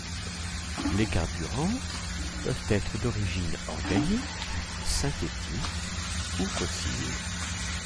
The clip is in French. Les carburants peuvent être d'origines organiques, synthétiques ou fossiles.